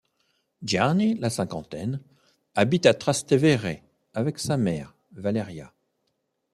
Gianni, la cinquantaine, habite à Trastevere avec sa mère Valeria.